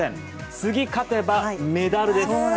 次、勝てばメダルです。